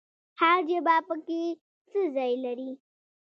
هر ژبه پکې څه ځای لري؟